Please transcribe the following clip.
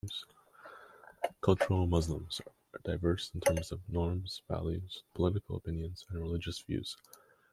Cultural Muslims are diverse in terms of norms, values, political opinions, and religious views.